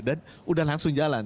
dan udah langsung jalan